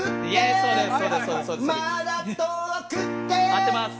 合ってます